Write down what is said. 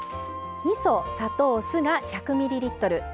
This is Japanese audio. みそ砂糖酢が１００ミリリットル。